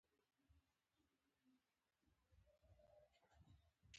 پښتانه پر خپله خاوره د حق، انصاف او سولي غوښتونکي دي